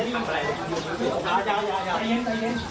เราจะโดนทะดีทำร้ายร่างกายนะไม่อ้าว